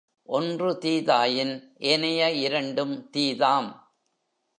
ஒன்று தீதாயின், ஏனைய இரண்டும் தீதாம்.